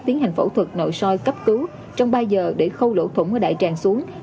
tiến hành phẫu thuật nội soi cấp cứu trong ba giờ để khâu lỗ thủng ở đại tràng xuống